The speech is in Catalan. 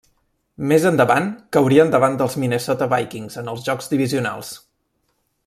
Més endavant, caurien davant dels Minnesota Vikings en els jocs divisionals.